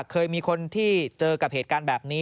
เคยมีคนที่เจอกับเหตุการณ์แบบนี้